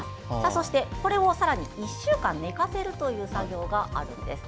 そして、これをさらに１週間寝かせるという作業があるんです。